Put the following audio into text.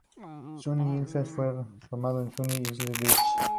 Sunny Isles fue renombrado Sunny Isles Beach.